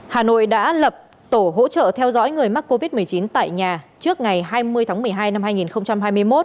hà nội đã lập tổ hỗ trợ theo dõi người mắc covid một mươi chín tại nhà trước ngày hai mươi tháng một mươi hai năm hai nghìn hai mươi một